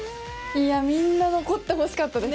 いやみんな残ってほしかったです